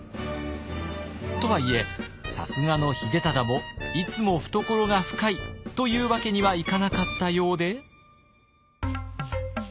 とはいえさすがの秀忠もいつも懐が深いというわけにはいかなかったようで。